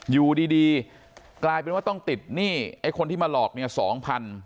อยู่ดีดีกลายเป็นว่าต้องติดหนี้ไอ้คนที่มาหลอกเนี่ยสองพัน